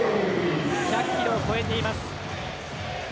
１００キロを超えています。